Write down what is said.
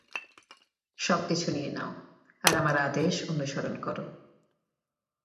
সবকিছু নিয়ে নাও আর আমার আদেশ অনুসরণ করো।